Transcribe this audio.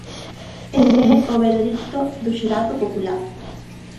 Ese é o veredicto do xurado popular.